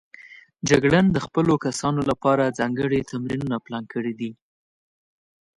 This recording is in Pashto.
جګړن د خپلو کسانو لپاره ځانګړي تمرینونه پلان کړي دي.